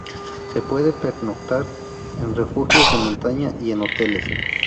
Se puede pernoctar en refugios de montaña y en hoteles.